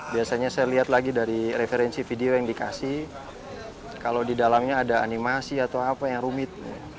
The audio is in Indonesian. biasanya saya lihat lagi dari referensi video yang dikasih kalau di dalamnya ada animasi atau apa yang rumit